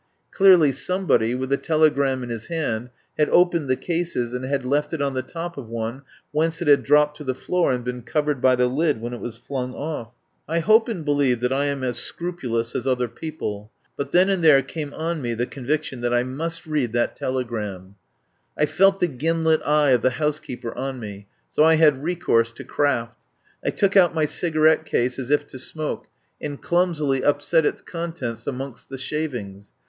Clearly somebody, with the telegram in his hand, had opened the cases, and had left it on the top of one, whence it had dropped to the floor and been covered by the lid when it was flung off. I hope and believe that I am as scrupulous as other people, but then and there came on 47 THE POWER HOUSE me the conviction that I must read that tele gram. I felt the gimlet eye of the housekeeper on me, so I had recourse to craft. I took out my cigarette case as if to smoke, and clumsily upset its contents amongst the shavings.